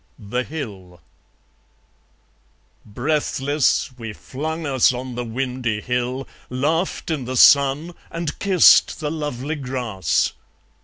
The Hill Breathless, we flung us on the windy hill, Laughed in the sun, and kissed the lovely grass.